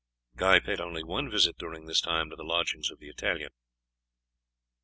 Guy paid only one visit during this time to the lodgings of the Italian.